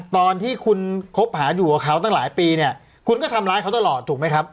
ตอนที่คุณคบหาอยู่กับเขาตั้งหลายปีเนี่ยคุณก็ทำร้ายเขาตลอดถูกไหมครับ